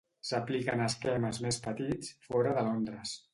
S'apliquen esquemes més petits fora de Londres.